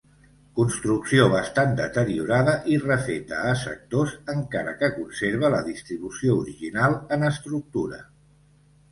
Construcció bastant deteriorada i refeta a sectors, encara que conserva la distribució original en estructura.